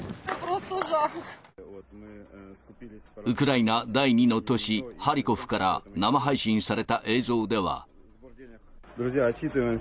ウクライナ第２の都市、ハリコフから生配信された映像では。